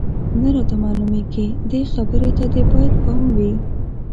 نه راته معلومېږي، دې خبرې ته دې باید پام وي.